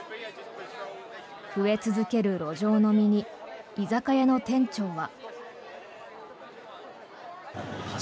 増え続ける路上飲みに居酒屋の店長は。